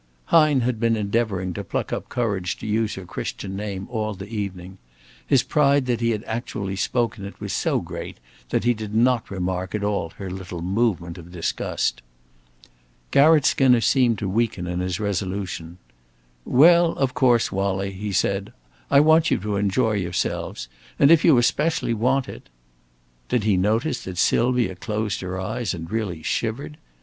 Hine had been endeavoring to pluck up courage to use her Christian name all the evening. His pride that he had actually spoken it was so great that he did not remark at all her little movement of disgust. Garratt Skinner seemed to weaken in his resolution. "Well, of course, Wallie," he said, "I want you to enjoy yourselves. And if you especially want it " Did he notice that Sylvia closed her eyes and really shivered?